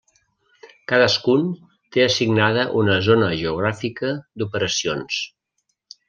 Cadascun té assignada una zona geogràfica d'operacions.